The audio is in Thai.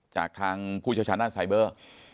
จากทางผู้เชี่ยวชาญด้านไซเบอร์